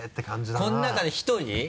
この中で１人？